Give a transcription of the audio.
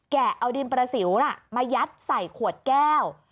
เอาดินประสิวมายัดใส่ขวดแก้ว